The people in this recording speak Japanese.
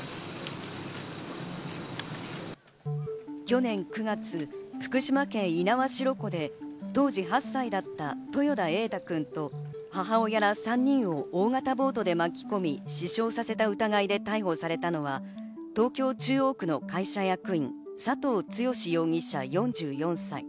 去年９月、福島県猪苗代湖で当時８歳だった豊田瑛大君と母親ら３人を大型ボートで巻き込み、死傷させた疑いで逮捕されたのは、東京・中央区の会社役員、佐藤剛容疑者、４４歳。